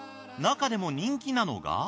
中でも人気なのが。